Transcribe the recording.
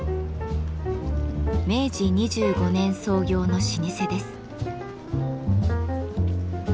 明治２５年創業の老舗です。